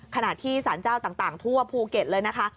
ขณะที่สารเจ้าต่างทั่วภูเก็ตเลยนะคะ